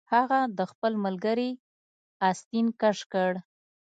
هغه د خپل ملګري آستین کش کړ